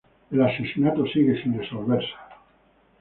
El asesinato sigue sin resolverse.